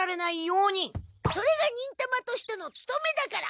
それが忍たまとしてのつとめだから。